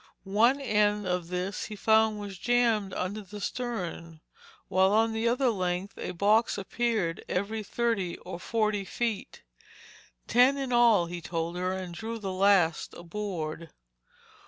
One end of this he found was jammed under the stern, while on the other length a box appeared every thirty or forty feet. "Ten, in all," he told her and drew the last aboard.